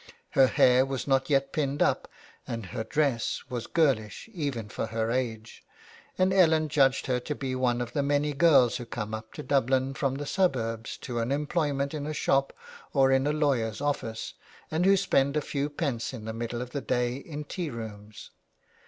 Her hair was not yet pinned up, and her dress was girlish even for her age, and Ellen judged her to be one of the many girls who come up to Dublin from the suburbs to an employment in a shop or in a lawyer's office, and who spend a few pence in the middle of the day in tea rooms.